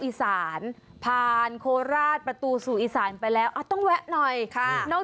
อีสานผ่านโคราชประตูสู่อีสานไปแล้วต้องแวะหน่อยค่ะน้อง